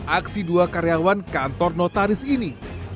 aksi dua karyawan kantor notaris ini